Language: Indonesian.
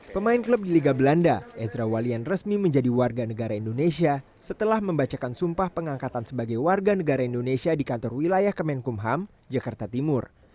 pemain klub di liga belanda ezra walian resmi menjadi warga negara indonesia setelah membacakan sumpah pengangkatan sebagai warga negara indonesia di kantor wilayah kemenkumham jakarta timur